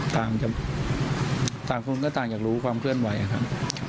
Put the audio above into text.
ต่างจากต่างคนก็ต่างจากรู้ความเคลื่อนไหวอ่ะครับ